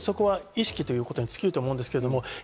そこは本当に意識ということに尽きると思います。